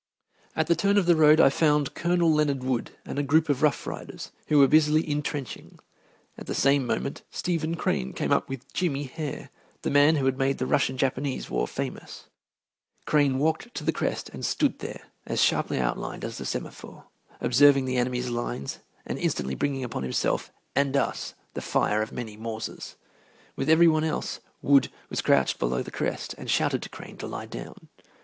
At the turn of the road I found Colonel Leonard Wood and a group of Rough Riders, who were busily intrenching. At the same moment Stephen Crane came up with "Jimmy" Hare, the man who has made the Russian Japanese War famous. Crane walked to the crest and stood there as sharply outlined as a semaphore, observing the enemy's lines, and instantly bringing upon himself and us the fire of many Mausers. With every one else, Wood was crouched below the crest and shouted to Crane to lie down.